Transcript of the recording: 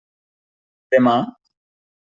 Demà?